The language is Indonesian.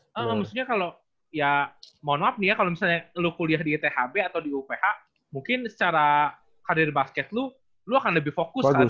dan maksudnya kalo ya mohon maaf nih ya kalo misalnya lu kuliah di thb atau di uph mungkin secara karir basket lu lu akan lebih fokus karena